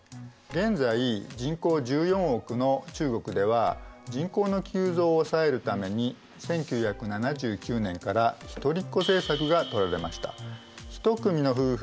現在人口１４億の中国では人口の急増を抑えるために１９７９年から一人っ子政策がとられました。